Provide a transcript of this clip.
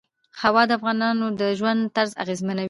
هوا د افغانانو د ژوند طرز اغېزمنوي.